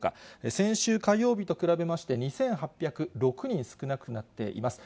先週火曜日と比べまして、２８０６人少なくなっています。